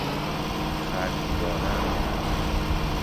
خرجی دادن